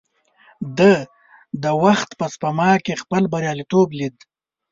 ده د وخت په سپما کې خپل برياليتوب ليد.